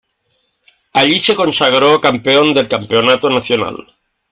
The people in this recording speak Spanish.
Allí se consagró campeón del Campeonato Nacional.